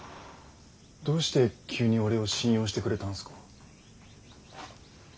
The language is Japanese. どうして急に俺を信用してくれたんすか？